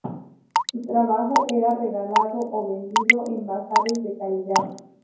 Su trabajo era regalado o vendido en bazares de caridad.